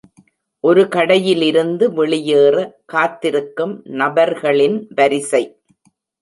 ஒரு கடையிலிருந்து வெளியேற காத்திருக்கும் நபர்களின் வரிசை.